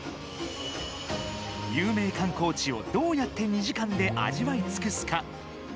有名観光地をどうやって２時間で味わい尽くすか。